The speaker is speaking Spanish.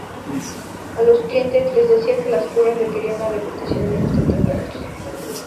A los clientes les decía que las curas requerían la repetición de los tratamientos.